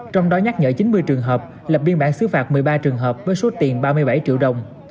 trong đó nhắc nhở chín mươi trường hợp lập biên bản xứ phạt một mươi ba trường hợp với số tiền ba mươi bảy triệu đồng